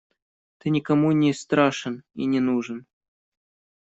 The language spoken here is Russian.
Ты никому не страшен и не нужен.